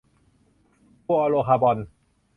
ฟลูออโรคาร์บอน